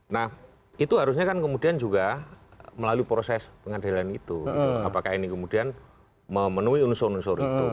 nah itu harusnya kan kemudian juga melalui proses pengadilan itu apakah ini kemudian memenuhi unsur unsur itu